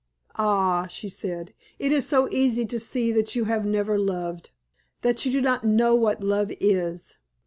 "Ah," she said, "it is so easy to see that you have never loved that you do not know what love is.